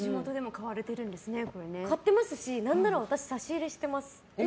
買ってますしなんなら私、差し入れしてます。